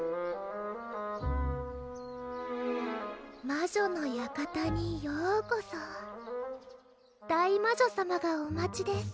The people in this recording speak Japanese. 魔女の館にようこそ大魔女さまがお待ちです